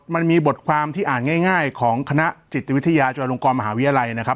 มันมีบทความที่อ่านง่ายของคณะจิตวิทยาจุฬลงกรมหาวิทยาลัยนะครับ